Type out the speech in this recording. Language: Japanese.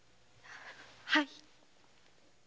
はい。